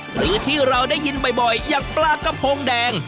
หรือที่เราได้ยินบ่อยอย่างปลากระพงแดง